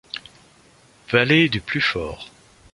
Valets du plus fort